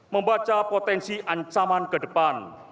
membaca potensi ancaman ke depan